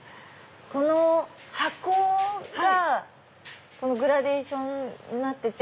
この箱がグラデーションになってて。